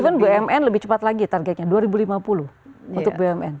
even bmn lebih cepat lagi targetnya dua ribu lima puluh untuk bmn